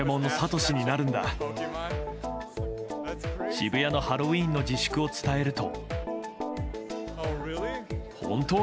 渋谷のハロウィーンの自粛を伝えると。